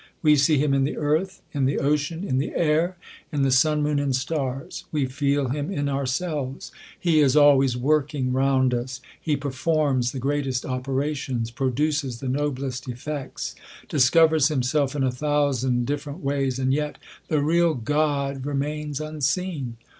We see him in the earth, in the ocean, in the air, in the sun, moon, and stars. We feel him in ourselves. He is always working round us ;, he performs the greatest operations, produces the no I blest effects, discovers himself in a thousand different I ways, and yet the real GOD remains unseen.